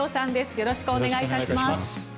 よろしくお願いします。